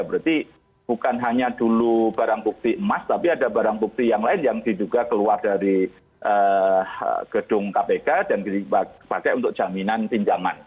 berarti bukan hanya dulu barang bukti emas tapi ada barang bukti yang lain yang diduga keluar dari gedung kpk dan dipakai untuk jaminan pinjaman